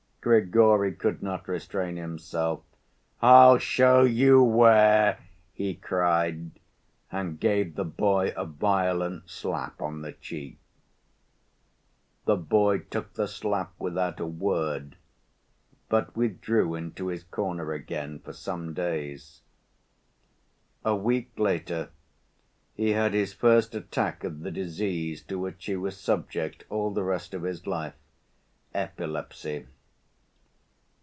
Grigory could not restrain himself. "I'll show you where!" he cried, and gave the boy a violent slap on the cheek. The boy took the slap without a word, but withdrew into his corner again for some days. A week later he had his first attack of the disease to which he was subject all the rest of his life—epilepsy.